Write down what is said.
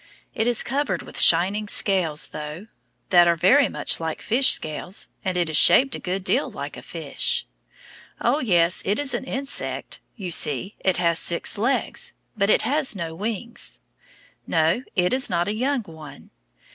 It is covered with shining scales, though, that are very much like fish scales, and it is shaped a good deal like a fish. Oh, yes, it is an insect. You see it has six legs. But it has no wings. No, it is not a young one.